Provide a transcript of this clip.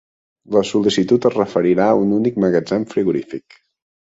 La sol·licitud es referirà a un únic magatzem frigorífic.